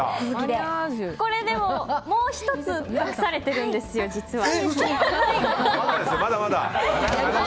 これ、でももう１つ隠されてるんです、実は。